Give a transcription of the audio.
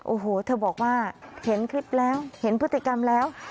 โอ้โหเธอบอกว่าเห็นคลิปแล้วเห็นพฤติกรรมแล้ว